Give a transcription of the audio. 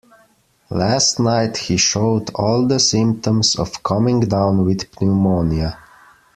Last night he showed all the symptoms of coming down with pneumonia.